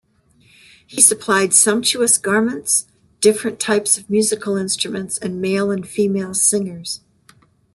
He supplied sumptuous garments, different types of musical instruments, and male and female singers.